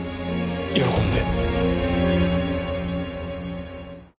喜んで。